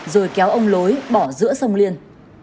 rồi kéo ông lối bỏ giữa sông liên